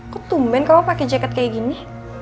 kok tumben kamu pake jaket kayak gini